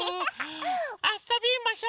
あそびましょ！